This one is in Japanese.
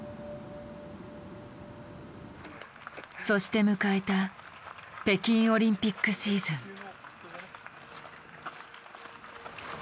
そして迎えた北京オリンピックシーズン。